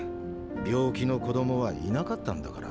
病気の子供はいなかったんだから。